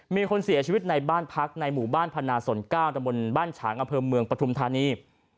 มีคนเสียชีวิตในบ้านพักในหมู่บ้านพนาสน๙ตะบนบ้านฉางอำเภอเมืองปฐุมธานี